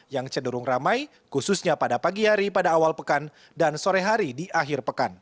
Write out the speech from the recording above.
yang cenderung ramai khususnya pada pagi hari pada awal pekan dan sore hari di akhir pekan